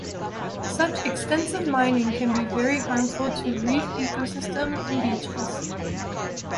Such extensive mining can be very harmful to reef ecosystems and beaches.